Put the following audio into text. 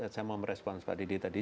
saya mau merespons pak didi tadi